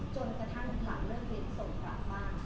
จนกระทั่งหลังเรียนส่งกลับมานะคะ